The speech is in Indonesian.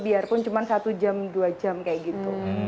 biarpun cuma satu jam dua jam kayak gitu